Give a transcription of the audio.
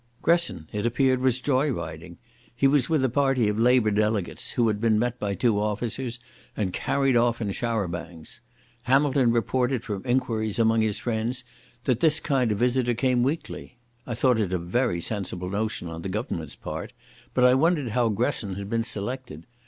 Gresson, it appeared, was joy riding. He was with a party of Labour delegates who had been met by two officers and carried off in chars à bancs. Hamilton reported from inquiries among his friends that this kind of visitor came weekly. I thought it a very sensible notion on the Government's part, but I wondered how Gresson had been selected.